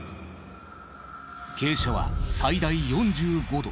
傾斜は最大４５度。